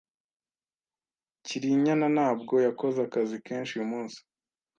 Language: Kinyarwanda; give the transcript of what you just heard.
Cyrinyana ntabwo yakoze akazi kenshi uyu munsi.